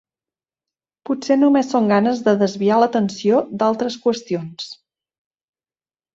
Potser només són ganes de desviar l'atenció d'altres qüestions.